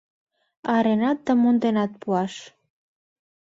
Аренат да монденат пуаш